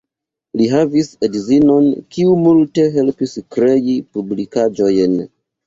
Li havis edzinon, kiu multe helpis krei publikaĵojn.